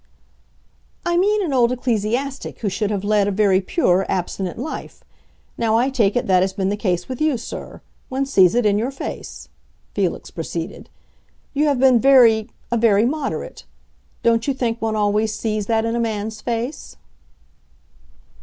"I mean an old ecclesiastic who should have led a very pure, abstinent life. Now I take it that has been the case with you, sir; one sees it in your face," Felix proceeded. "You have been very—a very moderate. Don't you think one always sees that in a man's face?"